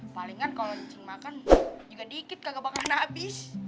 palingan kalau makan juga dikit kagak bakalan habis